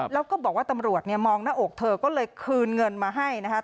แล้วก็บอกว่าตำรวจเนี่ยมองหน้าอกเธอก็เลยคืนเงินมาให้นะครับ